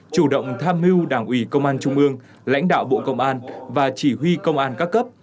chủ động tham mưu đảng ủy công an trung ương lãnh đạo bộ công an và chỉ huy công an các cấp